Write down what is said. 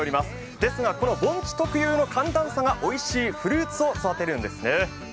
ですが盆地特有の寒暖差がおいしいフルーツを育てるんですね。